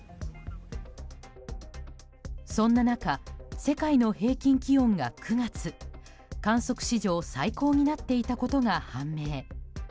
そんな中、世界の平均気温が９月観測史上最高になっていたことが判明。